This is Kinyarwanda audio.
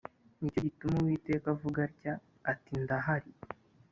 Ni cyo gituma Uwiteka avuga atya ati ndahari